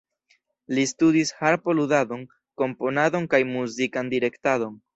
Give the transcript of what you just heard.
Li studis harpo-ludadon, komponadon kaj muzikan direktadon.